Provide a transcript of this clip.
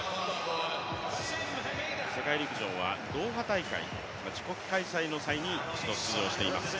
世界陸上はドーハ大会、自国開催の際に一度、出場しています。